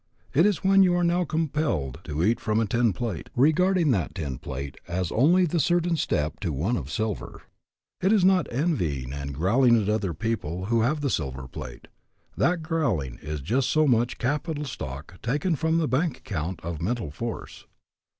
It is when you are now compelled to eat from a tin plate, regarding that tin plate as only the certain step to one of silver. It is not envying and growling at other people who have silver plate. That growling is just so much capital stock taken from the bank account of mental force."